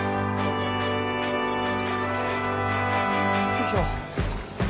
・よいしょ。